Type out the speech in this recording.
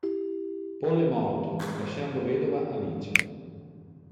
Paul è morto, lasciando vedova Alice.